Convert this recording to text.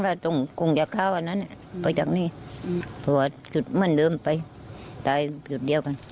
ไม่เกรงอย่างงั้นหลานหนูก็เตี๋ยวเก้ง